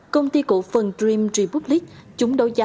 công ty cổ phần dream republic